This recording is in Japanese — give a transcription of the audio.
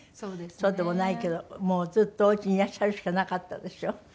そうでもないけどもうずっとおうちにいらっしゃるしかなかったでしょ。